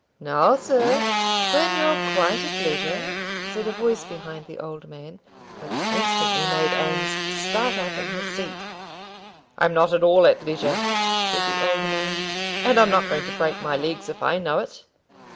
"Now, sir, when you're quite at leisure," said a voice behind the old man, which instantly made Eames start up in his seat. "I'm not at all at leisure," said the old man; "and I'm not going to break my legs if I know it."